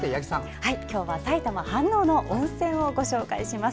今日は埼玉県飯能市の温泉をご紹介します。